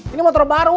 ini motor baru